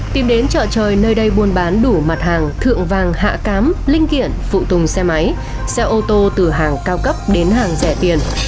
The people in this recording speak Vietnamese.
tìm đến chợ trời nơi đây buôn bán đủ mặt hàng thượng vàng hạ cám linh kiện phụ tùng xe máy xe ô tô từ hàng cao cấp đến hàng rẻ tiền